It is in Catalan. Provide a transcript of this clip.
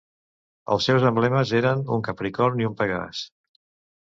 Els seus emblemes eren un capricorn i un pegàs.